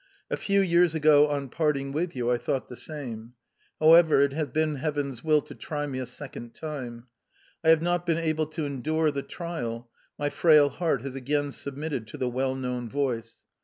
A few years ago on parting with you I thought the same. However, it has been Heaven's will to try me a second time: I have not been able to endure the trial, my frail heart has again submitted to the well known voice...